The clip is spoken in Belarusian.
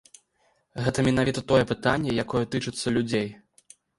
Гэта менавіта тое пытанне, якое тычыцца людзей.